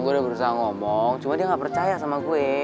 gue udah berusaha ngomong cuma dia nggak percaya sama gue